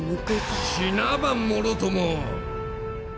死なばもろとも。